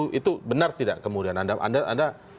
tidak juga kooperatif seolah ingin menyimpan sesuatu